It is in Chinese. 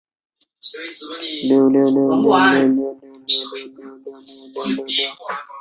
加贺昭三决定在该作中让系列首作主角马鲁斯的故事画上句号。